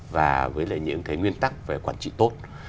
và với những nguyên tắc về quản trị tốt